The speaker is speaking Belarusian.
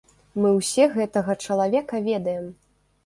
Мы ўсе гэтага чалавека ведаем.